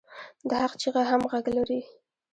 د حق چیغه هم غږ لري